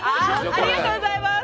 ありがとうございます。